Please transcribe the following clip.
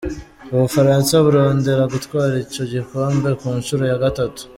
Ubufaransa burondera gutwara ico gikombe ku ncuro ya gatatu.